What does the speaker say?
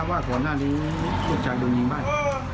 ทรัพย์ว่าของหน้านี้ลูกชายโดนยิงบ้าง